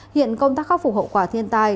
hiện công tác khắc phục hậu quả thiên tai